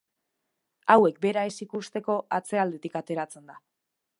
Hauek bera ez ikusteko, atzealdetik ateratzen da.